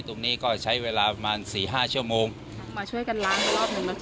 ตรงนี้ก็ใช้เวลาประมาณสี่ห้าชั่วโมงมาช่วยกันล้างไปรอบหนึ่งนะคะ